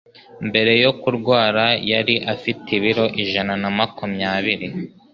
mbere yo kurwara yari afite ibiro ijana na makumyabiri